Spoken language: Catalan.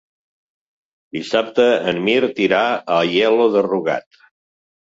Dissabte en Mirt irà a Aielo de Rugat.